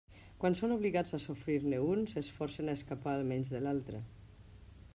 Quan són obligats a sofrir-ne un, s'esforcen a escapar almenys de l'altre.